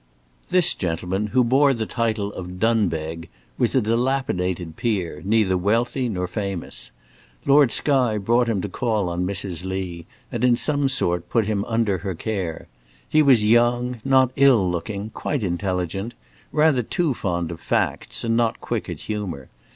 This gentleman, who bore the title of Dunbeg, was a dilapidated peer, neither wealthy nor famous. Lord Skye brought him to call on Mrs. Lee, and in some sort put him under her care. He was young, not ill looking, quite intelligent, rather too fond of facts, and not quick at humour.